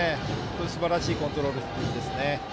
すばらしいコントロールですね。